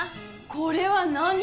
「これは何！？」